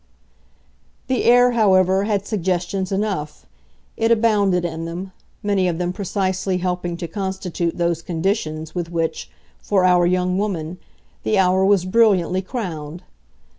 The air, however, had suggestions enough it abounded in them, many of them precisely helping to constitute those conditions with which, for our young woman, the hour was brilliantly crowned.